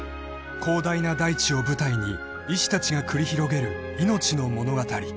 ［広大な大地を舞台に医師たちが繰り広げる命の物語］